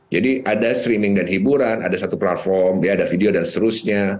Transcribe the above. jadi ada streaming dan hiburan ada satu platform ada video dan seterusnya